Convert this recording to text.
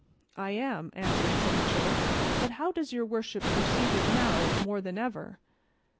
"I am," answered Sancho; "but how does your worship perceive it now more than ever?"